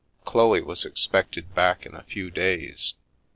Chloe was expected back in a few days.